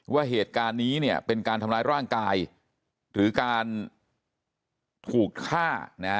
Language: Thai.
ว่าเหตุการณ์นี้เนี่ยเป็นการทำร้ายร่างกายหรือการถูกฆ่า